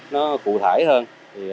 nó cụ thể hơn